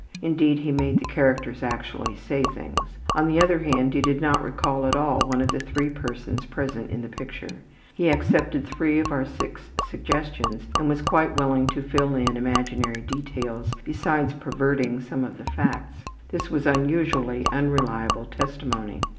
Indeed, he made the characters actually say things. On the other hand, he did not recall at all one of the three persons present in the picture. He accepted three out of six suggestions and was quite willing to fill in imaginary details, besides perverting some of the facts. This was unusually unreliable testimony.